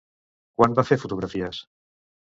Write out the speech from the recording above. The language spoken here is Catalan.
Quan va fer fotografies?